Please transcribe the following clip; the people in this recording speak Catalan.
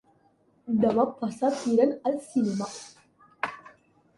Demà passat iran al cinema.